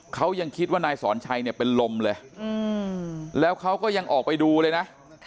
เขายังคิดว่านายสอนชัยเนี่ยเป็นลมเลยแล้วเขาก็ยังออกไปดูเลยนะ